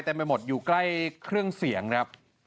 ไปหมดอยู่ใกล้เครื่องเสียงครับ